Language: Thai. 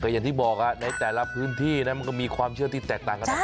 อย่างที่บอกในแต่ละพื้นที่ก็มีความเชื่อแตกต่างกันออกไป